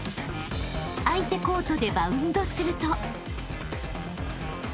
［相手コートでバウンドすると］